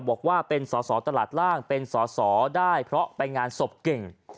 บอกว่าเป็นสอสอตลาดล่างเป็นสอสอได้เพราะไปงานศพเก่ง